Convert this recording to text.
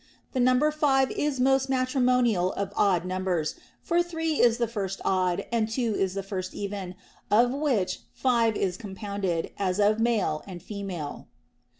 The number five is most matrimonial of odd numbers, for three is the first odd and two is the first even, of which five is compounded, as of male and female.